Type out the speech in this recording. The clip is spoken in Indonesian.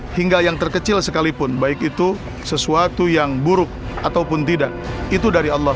hingga yang terkecil sekalipun baik itu sesuatu yang buruk ataupun tidak itu dari allah